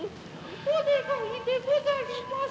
お願いでござります。